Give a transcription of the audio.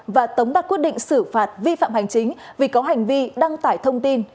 và tống đặt quyết định xử phạt vi phạm hành chính vì có hành vi đăng tải thông tin